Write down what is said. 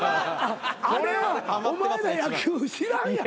あれはお前ら野球知らんやん。